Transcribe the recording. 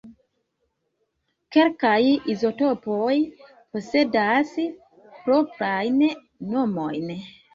Kelkaj izotopoj posedas proprajn nomojn.